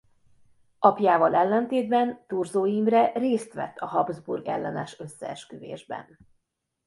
Apjával ellentétben Thurzó Imre részt vett a Habsburg ellenes összeesküvésben.